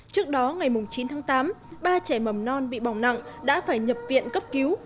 trước đó ngày chín tháng tám ba trẻ mầm non bị bỏng nặng đã phải nhập viện cấp cứu